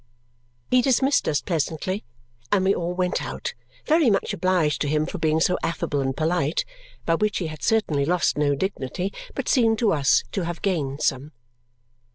He dismissed us pleasantly, and we all went out, very much obliged to him for being so affable and polite, by which he had certainly lost no dignity but seemed to us to have gained some.